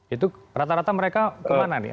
itu rata rata mereka kemana nih